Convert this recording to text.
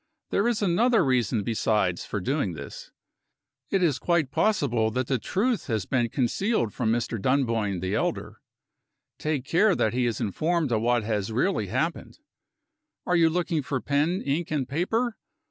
There is another reason besides for doing this. It is quite possible that the truth has been concealed from Mr. Dunboyne the elder. Take care that he is informed of what has really happened. Are you looking for pen, ink, and paper?